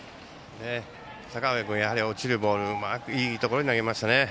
阪上君、やはり落ちるボールをうまくいいところに投げましたね。